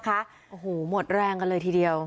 โอ้โหหมดแรงกันเลยทีเดียว